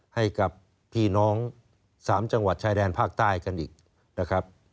ให้กับพี่น้อง๓จังหวัดชายแดนภาคใต้กันอีกนะครับ